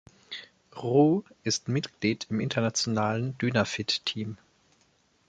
Roux ist Mitglied im internationalen Dynafit-Team.